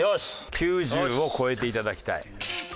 ９０を超えていただきたい。